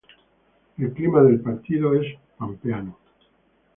El clima del Partido es pampeano.